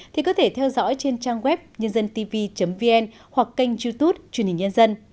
thì có thể theo dõi trên trang web nhândântv vn hoặc kênh youtube truyền hình nhân dân